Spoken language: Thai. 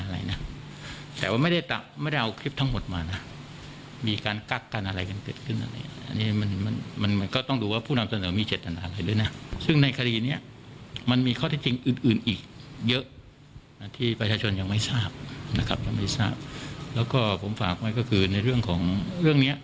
แล้วก็ผมฝากไว้ก็คือในเรื่องของเรื่องเนี้ย